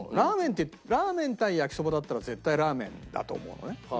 ラーメン対焼きそばだったら絶対ラーメンだと思うのね。